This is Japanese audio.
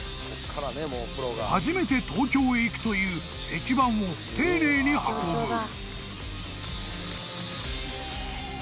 ［初めて東京へ行くという石板を丁寧に運ぶ］